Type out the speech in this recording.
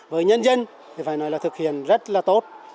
với nhân dân thì phải nói là thực hiện rất là tốt